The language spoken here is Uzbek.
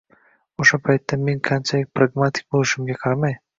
O‘sha paytda men qanchalik pragmatik bo‘lishimga qaramay